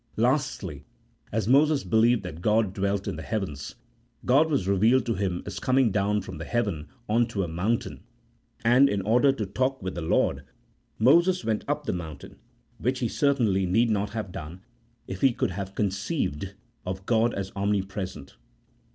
Lastly, as Moses believed that God dwelt in the heavens, God was revealed to him as coming down from heaven on to a mountain, and in order to talk with the Lord Moses went up the mountain, which he certainly need not have done if he could have conceived of God as omni present.